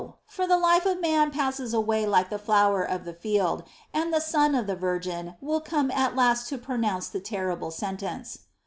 for the life of man passes away like the flower of the held, and the Son of the Virgin will come at last to pronounce the terrible sentence.